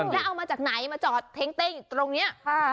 แล้วเอามาจากไหนมาจอดเท้งเต้งอยู่ตรงนี้